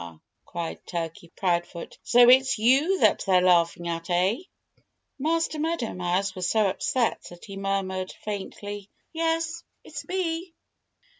cried Turkey Proudfoot. "So it's you that they're laughing at, eh?" Master Meadow Mouse was so upset that he murmured faintly, "Yes, it's me."